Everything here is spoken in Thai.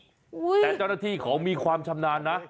แต่เจ้าหน้าที่เขามีความชำนาญนะ